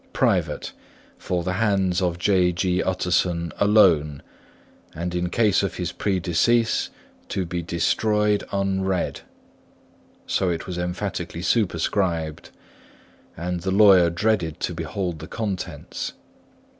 "PRIVATE: for the hands of G. J. Utterson ALONE, and in case of his predecease to be destroyed unread," so it was emphatically superscribed; and the lawyer dreaded to behold the contents.